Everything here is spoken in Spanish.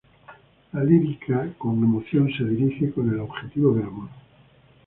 La lírica con emoción se dirige con el objetivo del amor.